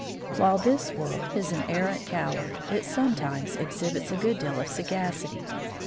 While this Wolf is an arrant coward, it sometimes exhibits a good deal of sagacity.